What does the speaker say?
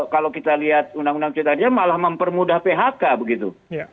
kalau kita lihat undang undang cipta kerja malah mempermudah phk begitu